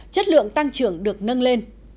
chất lượng tăng trưởng được nâng lên